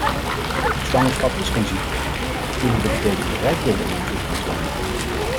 Zwangerschap is geen ziekte: kinderen betekenen rijkdom in ontwikkelingslanden.